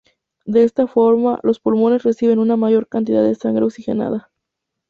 De esta forma, los pulmones reciben una mayor cantidad de sangre oxigenada.